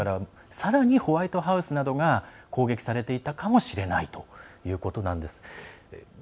さらにホワイトハウスなどが攻撃されていたかもしれないということなんです。